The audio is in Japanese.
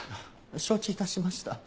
承知致しました。